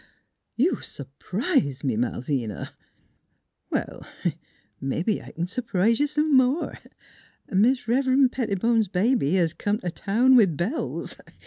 ' You sur prise me, Malvina !"" Well, mebbe I c'n s'prise you s' more. Mis' Rev'ren' Pettibone's baby hes come t' town with bells